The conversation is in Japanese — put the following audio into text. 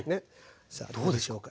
さあどうでしょうか。